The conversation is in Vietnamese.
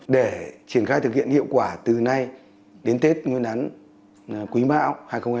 để triển khai thực hiện hiệu quả từ nay đến tết nguyên đán quý mão hai nghìn hai mươi